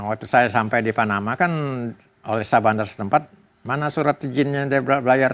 waktu saya sampai di panama kan oleh sabah antar setempat mana surat izinnya belayar